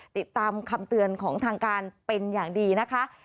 ติดตามคำเตือนของทางการเป็นอย่างดีนะคะ